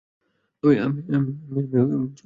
আমি যাবো না, দাদা।